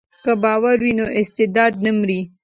که باور وي نو استعداد نه مري.